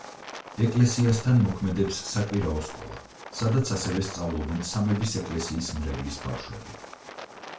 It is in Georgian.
ეკლესიასთან მოქმედებს საკვირაო სკოლა, სადაც ასევე სწავლობენ სამების ეკლესიის მრევლის ბავშვები.